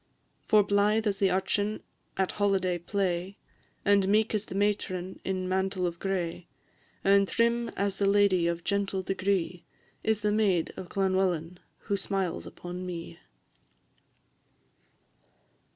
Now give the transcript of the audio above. For blythe as the urchin at holiday play, And meek as the matron in mantle of gray, And trim as the lady of gentle degree, Is the maid of Llanwellyn who smiles upon me.